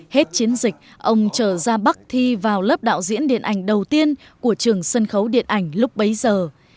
hết chiến dịch ông trở ra bắc thi vào lớp đạo diễn điện ảnh đầu tiên của trường sân khấu điện ảnh lúc bấy giờ